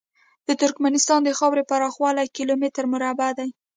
د ترکمنستان د خاورې پراخوالی کیلو متره مربع دی.